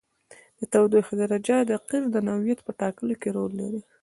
د تودوخې درجه د قیر د نوعیت په ټاکلو کې رول لري